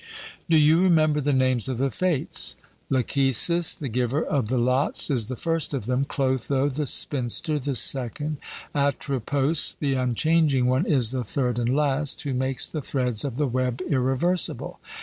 Do you remember the names of the Fates? Lachesis, the giver of the lots, is the first of them; Clotho, the spinster, the second; Atropos, the unchanging one, is the third and last, who makes the threads of the web irreversible.